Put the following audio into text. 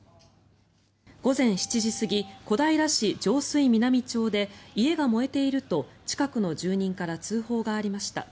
午前７時過ぎ小平市上水南町で家が燃えていると近くの住人から通報がありました。